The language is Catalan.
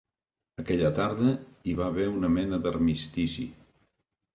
Aquella tarda hi va haver una mena d'armistici